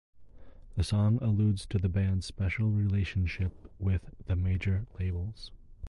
The song alludes to the band's special relationship with the major labels.